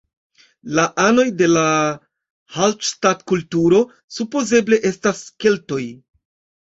La anoj de la Hallstatt-kulturo supozeble estas keltoj.